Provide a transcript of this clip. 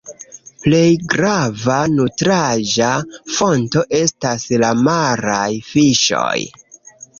Plej grava nutraĵa fonto estas la maraj fiŝoj.